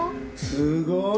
すごい！